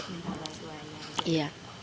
minta bantuannya aja